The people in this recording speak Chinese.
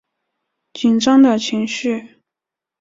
紧张的情绪